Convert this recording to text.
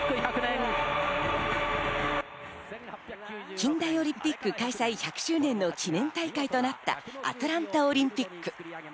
近代オリンピック開催１００周年の記念大会となったアトランタオリンピック。